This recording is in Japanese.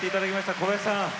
小林さん